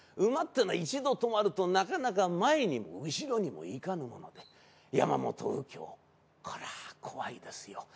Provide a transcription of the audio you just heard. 馬ってのは一度止まるとなかなか前にも後ろにも行かぬもので山本右京これは怖いですよ。